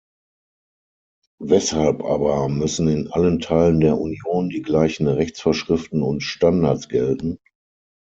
Weshalb aber müssen in allen Teilen der Union die gleichen Rechtsvorschriften und Standards gelten?